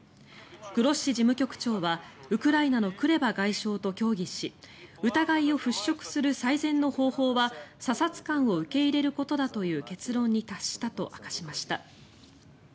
グロッシ事務局長はウクライナのクレバ外相と協議し疑いを払しょくする最善の方法は査察官を受け入れることだという結論に達したと明かしました。